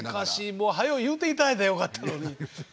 もう早う言うていただいたらよかったのに。